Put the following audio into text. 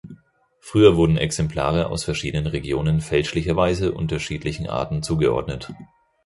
Früher wurden Exemplare aus verschiedenen Regionen fälschlicherweise unterschiedlichen Arten zugeordnet.